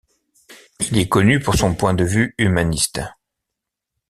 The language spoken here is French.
Il est connu pour son point de vue humaniste.